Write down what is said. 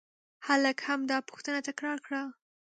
هلک همدا پوښتنه تکرار کړه.